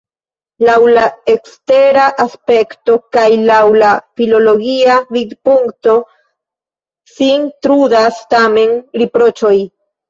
Laŭ la ekstera aspekto kaj laŭ la filologia vidpunkto sin trudas tamen riproĉoj.